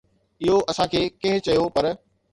اهو اسان کي ڪنهن چيو، پر